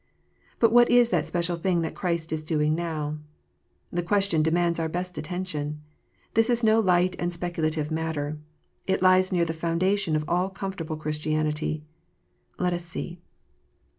But what is that special thing that Christ is doing now 1 The question demands our best attention. This is no light and speculative matter. It lies near the foundation of all comfort able Christianity. Let us see.